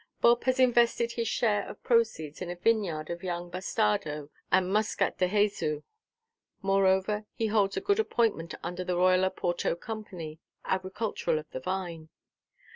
Bob has invested his share of proceeds in a vineyard of young Bastardo, and Muscat de Jesu; moreover, he holds a good appointment under the Royal Oporto Company, agricultural of the vine.